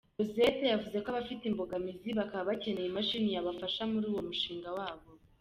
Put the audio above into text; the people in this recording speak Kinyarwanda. Rosette yavuze ko bafite imbogamizi, bakaba bakeneye imashini yabafasha muri uwo mushinga wabo.